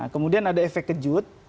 kemudian ada efek kejut